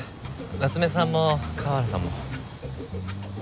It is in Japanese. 夏目さんも河原さんも。